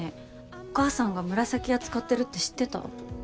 お母さんがむらさき屋使ってるって知ってた？